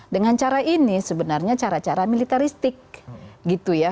dengan cara ini sebenarnya cara cara militaristik gitu ya